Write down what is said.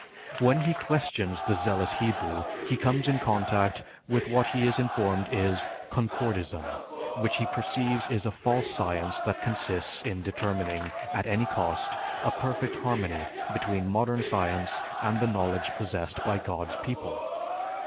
When he questions the zealous Hebrew, he comes in contact with what he is informed is Concordism, which he perceives is a false science that consists in determining, at any cost, a perfect harmony between modern science and the knowledge possessed by God's people.